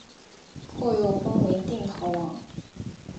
后又封为定陶王。